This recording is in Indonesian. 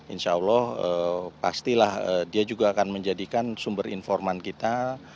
insya allah pastilah dia juga akan menjadikan sumber informan kita